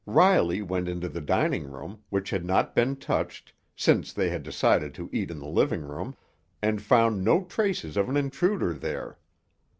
Riley went into the dining room, which had not been touched, since they had decided to eat in the living room, and found no traces of an intruder there.